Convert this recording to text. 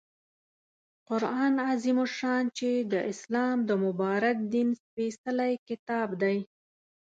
قرآن عظیم الشان چې د اسلام د مبارک دین سپیڅلی کتاب دی